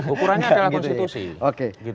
ukurannya adalah konstitusi